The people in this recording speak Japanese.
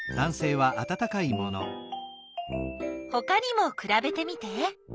ほかにもくらべてみて。